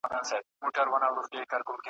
نوی ژوند نوی امید ورته پیدا سو `